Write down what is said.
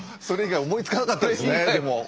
それ以外思いつかなかったですねでも。